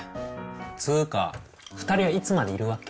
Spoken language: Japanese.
つうか２人はいつまでいるわけ？